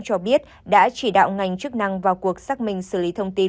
cho biết đã chỉ đạo ngành chức năng vào cuộc xác minh xử lý thông tin